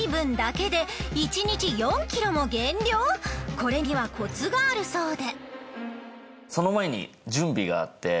これにはコツがあるそうで。